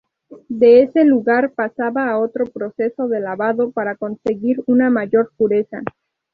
De ese lugar pasaba a otro proceso de lavado para conseguir una mayor pureza.